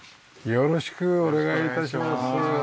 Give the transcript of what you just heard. よろしくお願いします。